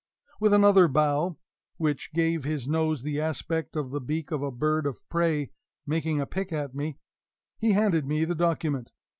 With another bow (which gave his nose the aspect of the beak of a bird of prey making a pick at me) he handed me the document.